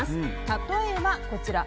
例えば、こちら。